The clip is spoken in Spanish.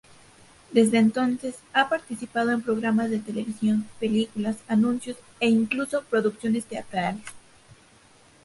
Desde entonces, ha participado en programas de televisión, películas, anuncios e, incluso, producciones teatrales.